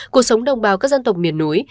cuộc sống đồng bào các dân tộc miền núi